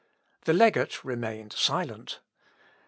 The legate remained silent.